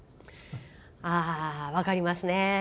ああ、分かりますね。